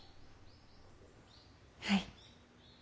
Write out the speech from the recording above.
はい。